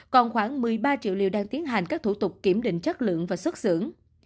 còn khoảng một mươi ba triệu liều đang tiến hành các thủ tục kiểm định chất lượng và xuất xưởng